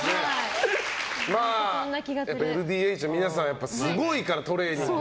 ＬＤＨの皆さんすごいから、トレーニング。